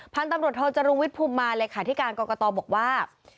พันธุ์ตำรวจโทจรุงวิทยภูมิมาเลยค่ะที่การกรกตบอกว่า